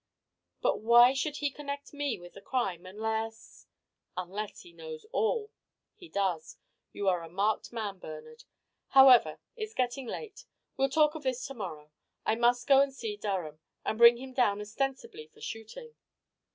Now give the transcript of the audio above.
"But why should he connect me with the crime unless " "Unless he knows all. He does. You are a marked man, Bernard. However, it's getting late. We'll talk of this to morrow. I must go and see Durham, and bring him down ostensibly for shooting."